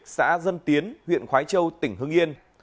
xã dân tiến huyện khói châu tỉnh hưng yên